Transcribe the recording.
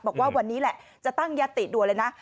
บอกว่าวันนี้แหละจะตั้งยัตติด่วนเลยนะ